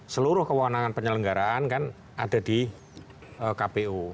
seluruh kewenangan penyelenggaraan kan ada di kpu